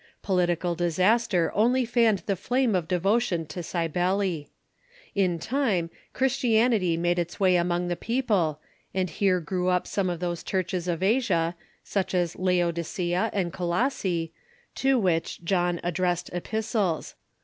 Political disaster only fanned the flame of devotion to Cybele. In time, Christianity made its way among the people, and here grew up some of those churches of Asia, such as Laodicea and Co THE MONTANISTIC REFORM 45 losse, to which John addressed epistles.